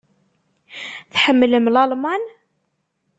Tḥemmlem Lalman?